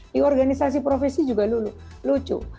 di organisasi profesi juga lucu